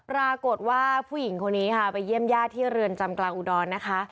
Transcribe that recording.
ปรากฏว่าผู้หญิงคนนี้ค่ะไปเยี่ยมญาติที่เรือนจำกลางอุดรนะคะ